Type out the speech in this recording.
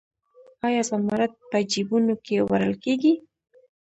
آیا زمرد په جیبونو کې وړل کیږي؟